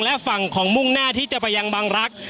และฝั่งของมุ่งหน้าที่จะไปยังบางรักษ